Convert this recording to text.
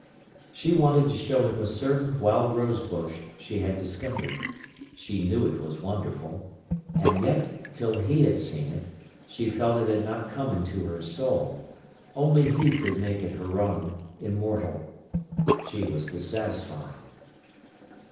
She wanted to show him a certain wild rose bush she had discovered. She knew it was wonderful. And yet, till he had seen it, she felt it had not come into her soul. Only he could make it her own, immortal. She was dissatisfied.